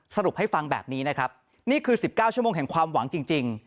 สรุปให้ฟังแบบนี้นะครับนี่คือ๑๙ชั่วโมงแห่งความหวังจริง